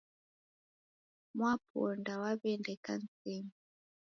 Mwaponda waw'eenda ikanisenyi.